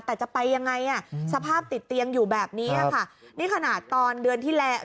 แต่จะไปยังไงอ่ะสภาพติดเตียงอยู่แบบนี้ค่ะนี่ขนาดตอนเดือนที่แล้ว